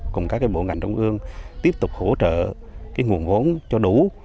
cùng các bộ ngành trung ương tiếp tục hỗ trợ nguồn vốn cho đủ